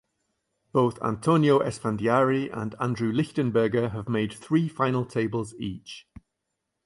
Both Antonio Esfandiari and Andrew Lichtenberger have made three final tables each.